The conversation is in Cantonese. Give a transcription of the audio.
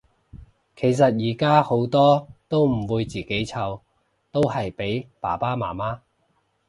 其實依家好多都唔會自己湊，都係俾爸爸媽媽